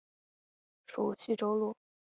属叙州路。